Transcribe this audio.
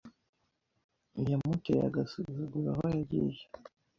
Yamuteye agasuzuguro aho yagiye